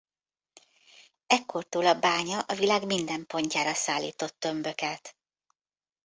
Ekkortól a bánya a világ minden pontjára szállított tömböket.